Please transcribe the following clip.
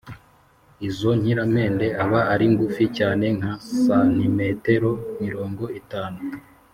izo nkiramende aba ari ngufi cyane nka sentimetero mirongo itanu,